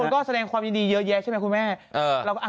ก็แสดงความยืดดีเยอะแยกมึงแม้